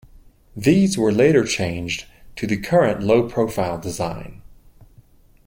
These were later changed to the current low-profile design.